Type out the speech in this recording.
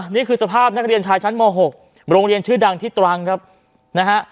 นี่คือสภาพนักเรียนชายชั้นม๖โรงเรียนชื่อดังที่ตรังครับนะฮะ